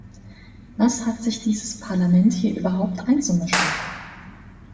Was hat sich dieses Parlament hier überhaupt einzumischen?